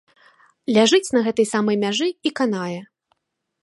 Ляжыць на гэтай самай мяжы і канае.